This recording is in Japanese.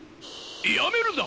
やめるんだ！